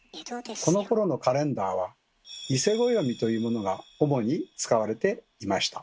このころのカレンダーは「伊勢暦」というものが主に使われていました。